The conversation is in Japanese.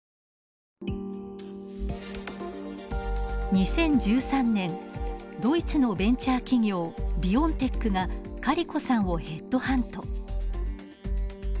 ２０１３年ドイツのベンチャー企業ビオンテックがカリコさんをヘッドハント。